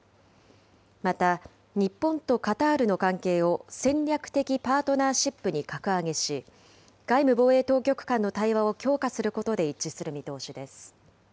また、日本とカタールの関係を戦略的パートナーシップに格上げし、外務・防衛当局間の対話を強化することで一致する見通しです。